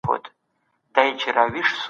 سياست پوهنه د بشري پوهې يوه پراخه حوزه ده.